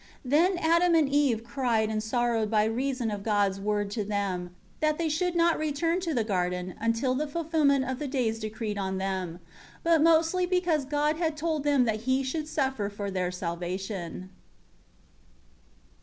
1 Then Adam and Eve cried and sorrowed by reason of God's word to them, that they should not return to the garden until the fulfillment of the days decreed on them; but mostly because God had told them that He should suffer for their salvation.